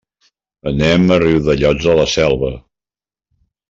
Anem a Riudellots de la Selva.